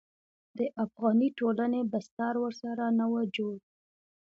د افغاني ټولنې بستر ورسره نه و جوړ.